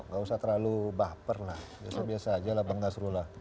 gak usah terlalu baper lah biasa biasa aja lah bang nasrullah